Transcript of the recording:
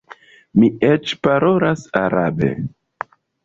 Mi eĉ parolas arabe.